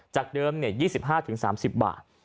จากเดิม๒๕๓๐บาท